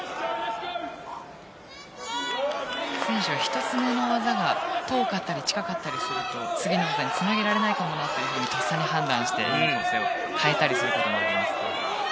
選手は１つ目の技が遠かったり、近かったりすると次の技につなげられないかもなととっさに判断して構成を変えることもあります。